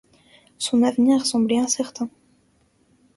Son avenir semblait incertain.